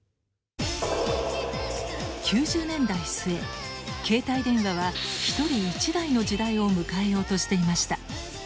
９０年代末携帯電話は１人１台の時代を迎えようとしていました。